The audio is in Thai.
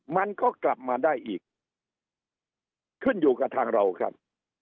มันก็กลับมาได้อีกขึ้นอยู่กับทางเราครับ